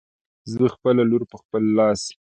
زه خپله لور په خپل لاس